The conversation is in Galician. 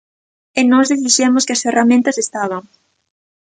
E nós lles dixemos que as ferramentas estaban.